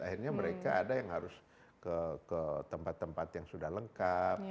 akhirnya mereka ada yang harus ke tempat tempat yang sudah lengkap